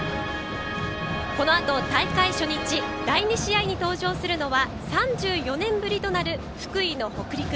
このあと大会初日第２試合に登場するのは３４年ぶりとなる福井の北陸。